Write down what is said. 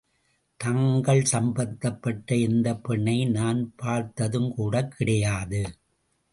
தங்கள் சம்பந்தப்பட்ட எந்தப் பெண்ணையும் நான் பார்த்ததுகூடக் கிடையாது.